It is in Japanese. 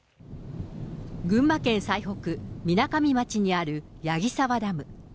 群馬県最北、みなかみ町にある矢木沢ダム。